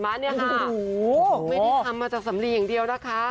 โอ้โหไม่ได้ทำมาจากสำลีอย่างเดียวนะคะ